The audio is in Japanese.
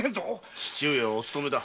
義父上はお勤めだ。